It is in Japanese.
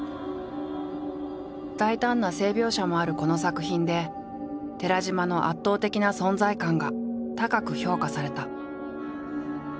大胆な性描写もあるこの作品で寺島の圧倒的な存在感が高く評価された。